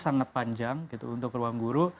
sangat panjang untuk ruangguru